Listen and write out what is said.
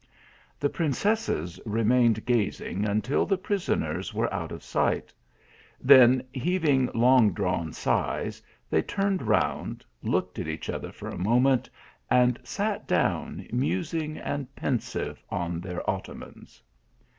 The princesses remained gazing until the prison ers were out of sight ; then heaving long drawn sighs, they turned round, looked at each other for a moment, and sat down musing and pensive on their ottomans.